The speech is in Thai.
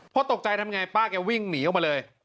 พอตกใจทำไงป้าเกรี่ยววิ่งหนีเข้ามาเลย